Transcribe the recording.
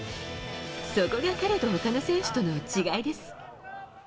そこが彼とほかの選手との違いです。